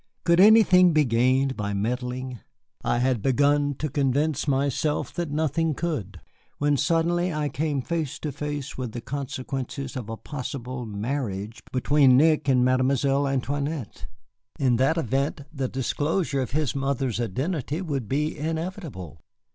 Could anything be gained by meddling? I had begun to convince myself that nothing could, when suddenly I came face to face with the consequences of a possible marriage between Nick and Mademoiselle Antoinette. In that event the disclosure of his mother's identity would be inevitable.